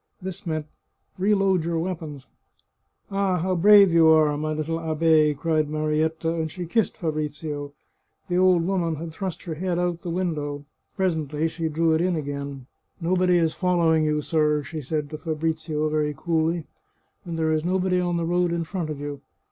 This meant " Reload your weapons." " Ah, how brave you are, my little abbe !" cried Mari etta, and she kissed Fabrizio. The old woman had thrust her head out of the window ; presently she drew it in again. " Nobody is following you, sir," she said to Fabrizio very coolly, " and there is nobody on the road in front of you.